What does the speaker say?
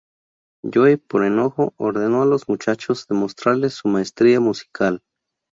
Joe, por enojo, ordenó a los muchachos demostrarle su maestría musical.